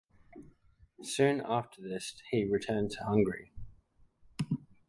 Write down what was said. Soon after this he returned to Hungary.